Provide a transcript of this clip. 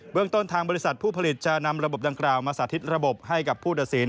เรื่องต้นทางบริษัทผู้ผลิตจะนำระบบดังกล่าวมาสาธิตระบบให้กับผู้ตัดสิน